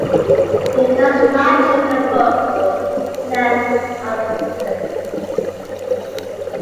It does not change the focal length of the system.